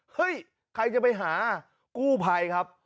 หึ้ยใครจะไปหากู้ไพครับ